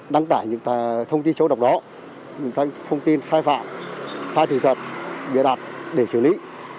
đăng tải những thông tin sâu độc đó thông tin sai phạm sai thực thật bịa đặt để xử lý